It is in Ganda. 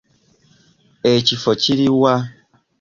Ekifo kiri wa?